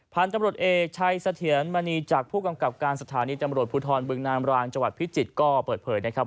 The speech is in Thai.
พันธุ์ตำรวจเอกชัยเสถียรมณีจากผู้กำกับการสถานีตำรวจภูทรบึงนามรางจังหวัดพิจิตรก็เปิดเผยนะครับ